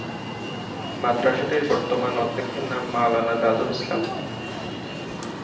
মাদ্রাসাটির বর্তমান অধ্যক্ষের নাম মাওলানা তাজুল ইসলাম।